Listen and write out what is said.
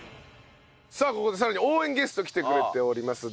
さあここでさらに応援ゲスト来てくれております。